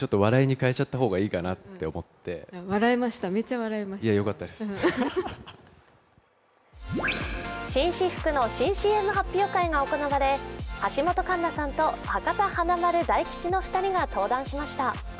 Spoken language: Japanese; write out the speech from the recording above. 今田さんからはこんなエピソードが紳士服の新ＣＭ発表会が行われ橋本環奈さんと博多華丸・大吉の２人が登壇しました。